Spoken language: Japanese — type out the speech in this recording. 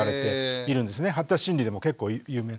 発達心理でも結構有名。